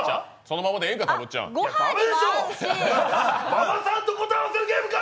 馬場さんと答え合わせるゲームか！